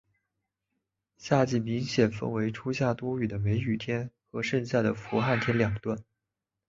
夏季明显分为初夏多雨的梅雨天和盛夏的伏旱天两段。